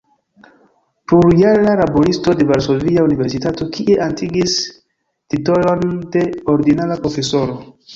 Plurjara laboristo de Varsovia Universitato, kie atingis titolon de ordinara profesoro.